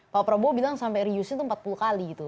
pak prabowo bilang sampai reuse itu empat puluh kali gitu